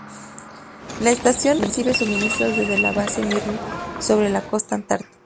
La estación recibe suministros desde la Base Mirni sobre la costa antártica.